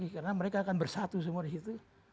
karena mereka akan bersatu semua di situ